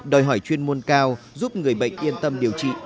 đòi hỏi chuyên môn cao giúp người bệnh yên tâm điều trị